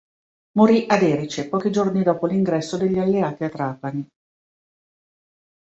Morì ad Erice, pochi giorni dopo l'ingresso degli Alleati a Trapani.